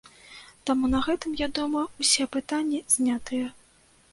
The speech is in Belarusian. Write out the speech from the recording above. Таму на гэтым, я думаю, усе пытанні знятыя.